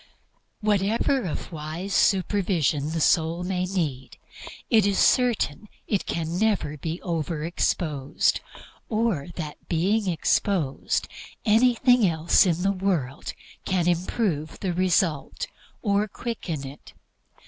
Whatever of wise supervision the soul may need, it is certain it can never be over exposed, or that, being exposed, anything else in the world can improve the result or quicken it.